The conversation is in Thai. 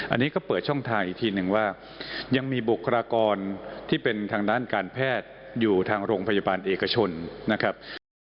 อันนี้ก็เปิดช่องทางอีกทีหนึ่งว่ายังมีบุคลากรที่เป็นทางด้านการแพทย์อยู่ทางโรงพยาบาลเอกชนนะครับ